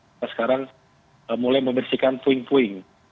kita sekarang mulai membersihkan puing puing